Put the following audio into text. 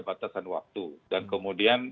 batasan waktu dan kemudian